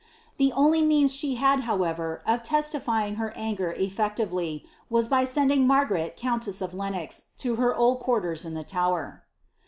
* The only means she bid, however, of testifying her anger effectively, was by sending Mar garet coanless of Lenox to her old quarters in the Tower.'